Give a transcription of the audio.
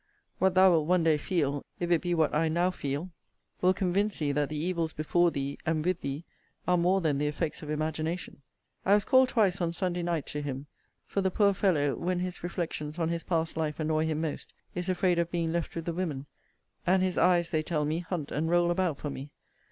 What thou wilt one day feel, if it be what I now feel, will convince thee that the evils before thee, and with thee, are more than the effects of imagination. I was called twice on Sunday night to him; for the poor fellow, when his reflections on his past life annoy him most, is afraid of being left with the women; and his eyes, they tell me, hunt and roll about for me.